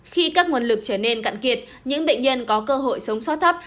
khi các nguồn lực trở nên cạn kiệt những bệnh nhân có cơ hội sống sót thấp